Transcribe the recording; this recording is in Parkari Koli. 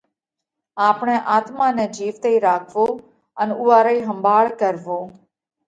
آپڻئہ آتما نئہ جيوَتئِي راکوو ان اُوئا رئِي ۿمڀاۯ ڪروو